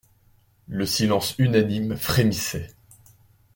Le silence unanime frémissait.